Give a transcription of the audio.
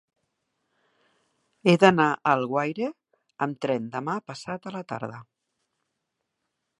He d'anar a Alguaire amb tren demà passat a la tarda.